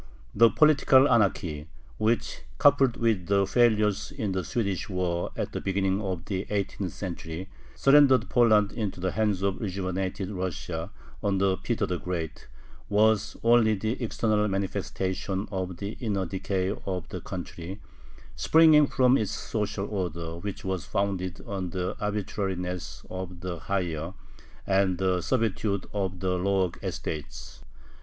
The political anarchy, which, coupled with the failures in the Swedish war at the beginning of the eighteenth century, surrendered Poland into the hands of rejuvenated Russia under Peter the Great, was only the external manifestation of the inner decay of the country, springing from its social order, which was founded on the arbitrariness of the higher and the servitude of the lower estates.